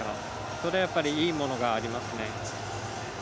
それは、やっぱりいいものがありますね。